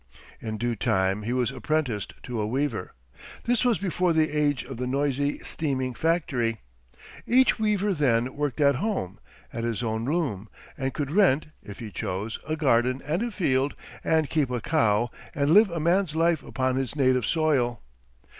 In due time he was apprenticed to a weaver. This was before the age of the noisy, steaming factory. Each weaver then worked at home, at his own loom, and could rent, if he chose, a garden and a field, and keep a cow, and live a man's life upon his native soil.